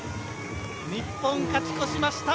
日本、勝ち越しました。